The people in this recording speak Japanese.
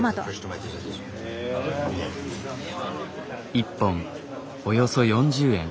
１本およそ４０円。